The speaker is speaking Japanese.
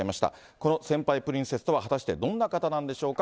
この先輩プリンセスとは果たしてどんな方なんでしょうか。